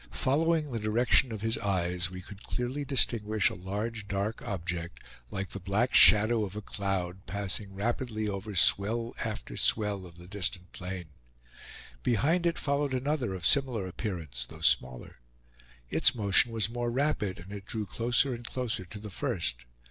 Following the direction of his eyes we could clearly distinguish a large dark object, like the black shadow of a cloud, passing rapidly over swell after swell of the distant plain; behind it followed another of similar appearance though smaller. Its motion was more rapid, and it drew closer and closer to the first.